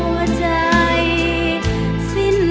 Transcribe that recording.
หัวใจเหมือนไฟร้อน